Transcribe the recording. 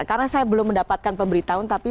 karena saya belum mendapatkan pemberitahuan tapi